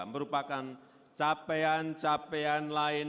merupakan capaian capaian lain